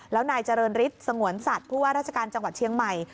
แล้วนายเจริญฤทธิ์สงวนสัตว์ผู้ว่าราชการจังหวัดเชียงใหม่